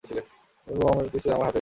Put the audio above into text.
এই বলে অমূল্য পিস্তলটি আমার হাতে দিলে।